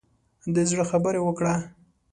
د زړه خبره وکړه.